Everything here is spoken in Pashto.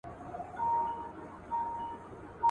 • نور خلگ پيسې گټي، پښتانه کيسې گټي.